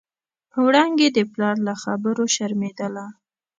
وړانګې د پلار له خبرو شرمېدله.